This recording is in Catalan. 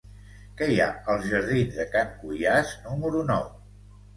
Què hi ha als jardins de Can Cuiàs número nou?